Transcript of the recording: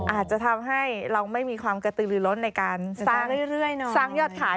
อาจจะทำให้เราไม่มีความกระตือลือล้นในการสร้างยอดขาย